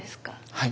はい。